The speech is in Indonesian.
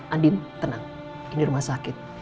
andin tenang ini rumah sakit